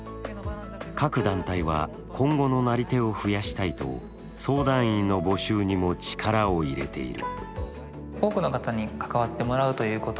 各団体は今後のなり手を増やしたいと相談員の募集にも力を入れている。